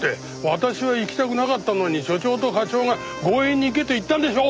私は行きたくなかったのに署長と課長が強引に行けと言ったんでしょ！